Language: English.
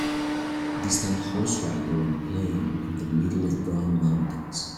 Distant horse rider on plain in the middle of brown mountains.